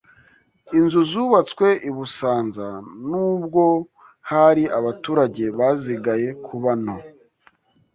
Inzu zubatswe i Busanza n’ubwo hari abaturage bazigaye kuba nto